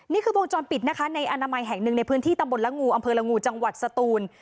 นี่คือวงจรปิดนะคะในอนามัยแห่งหนึ่งในพื้นที่ตำบลละงูอำเภอละงูจังหวัดสตูน